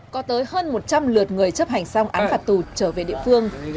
có tới hơn một trăm linh lượt người chấp hành xong án phạt tù trở về địa phương